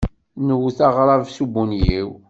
Nwet aɣrab s ubunyiw.